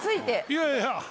いやいや。